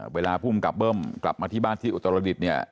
ภูมิกับเบิ้มกลับมาที่บ้านที่อุตรดิษฐ์เนี่ย